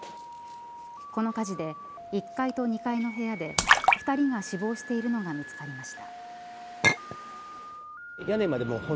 この火事で１階と２階の部屋で２人が死亡しているのが見つかりました。